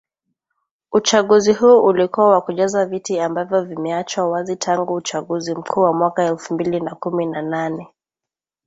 uchaguzi huo ulikuwa wa kujaza viti ambavyo vimeachwa wazi tangu uchaguzi mkuu wa mwaka elfu mbili na kumi na nane